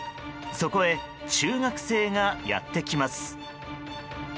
そこへ、中学生がやってきます。